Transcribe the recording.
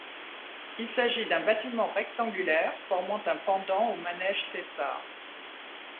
Il s'agit d'un bâtiment rectangulaire formant un pendant au manège Cessart.